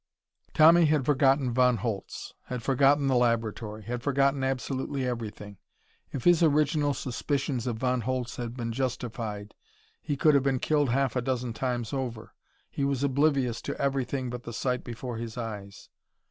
Tommy had forgotten Von Holtz, had forgotten the laboratory, had forgotten absolutely everything. If his original suspicions of Von Holtz had been justified, he could have been killed half a dozen times over. He was oblivious to everything but the sight before his eyes.